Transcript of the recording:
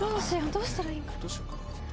どうしたらいい？